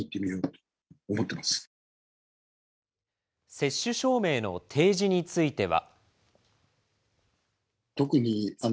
接種証明の提示については。